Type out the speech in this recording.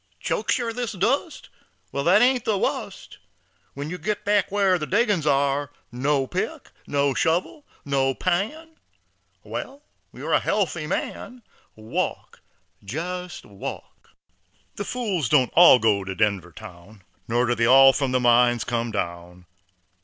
"Chokes yer, this dust? Wal, that Ain't the wust, When yer get back whar the Diggins are No pick, no shovel, no pan; Wal, yer a healthy man, Walk jest walk." The fools don't all go to Denver town, Nor do they all from the mines come down.